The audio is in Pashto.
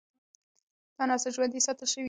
دا نسج ژوندي ساتل شوی دی.